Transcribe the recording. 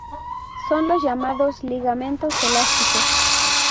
Son los llamados ligamentos elásticos.